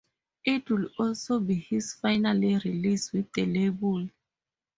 It would also be his final release with the label.